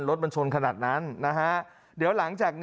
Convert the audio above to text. รถมันชนขนาดนั้นนะฮะ